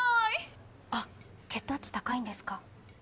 あっ血糖値高いんですか？